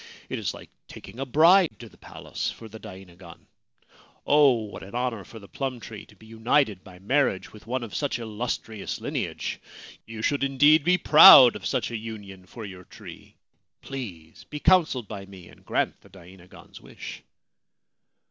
It is like taking a bride to the palace for the dainagon. Oh, what an honour for the plum tree, to be united by marriage with one of such illustrious lineage ! You should indeed be proud of such a union for your tree ! Please be counselled by me and grant the dainagon's wish